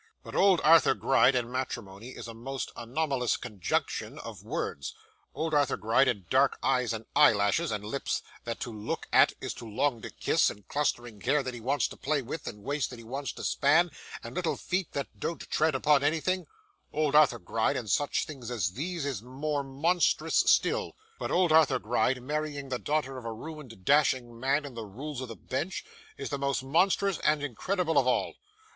'But old Arthur Gride and matrimony is a most anomalous conjunction of words; old Arthur Gride and dark eyes and eyelashes, and lips that to look at is to long to kiss, and clustering hair that he wants to play with, and waists that he wants to span, and little feet that don't tread upon anything old Arthur Gride and such things as these is more monstrous still; but old Arthur Gride marrying the daughter of a ruined "dashing man" in the Rules of the Bench, is the most monstrous and incredible of all.